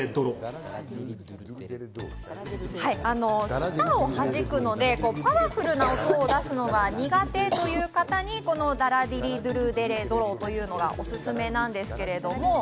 舌をはじくのでパワフルな音を出すのが苦手という方にこの「ダラディリドゥルデレドロ」というのがおすすめなんですけれども。